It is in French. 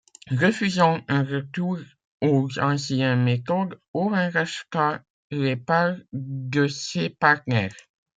Refusant un retour aux anciennes méthodes, Owen racheta les parts de ses partenaires.